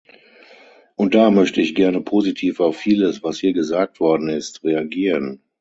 Und da möchte ich gerne positiv auf vieles, was hier gesagt worden ist, reagieren.